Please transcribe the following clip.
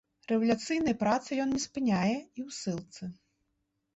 Рэвалюцыйнай працы ён не спыняе і ў ссылцы.